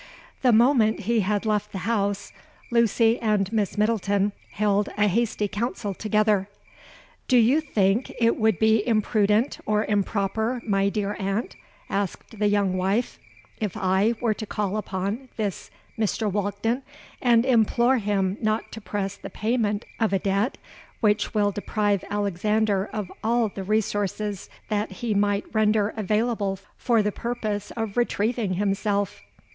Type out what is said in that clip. "The moment he had left the house, Lucy and Miss Middleton held a hasty council together. 'Do you think it would be imprudent or improper, my dear aunt,' asked the young wife, 'if I were to call upon this Mr. Walkden, and implore him not to press the payment of a debt which will deprive Alexander of all the resources that he might render available for the purpose of retrieving himself?'